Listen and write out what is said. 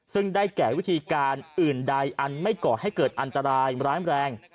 ซึ่งได้แก่วิธีการอื่นใดอันไม่ก่อให้เกิดอันตรายร้ายแรง